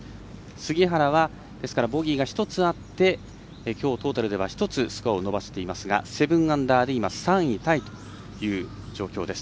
杉原は、ボギーが１つあってきょうトータルでは１つスコアを伸ばしていますが７アンダーで今３位タイという状況です。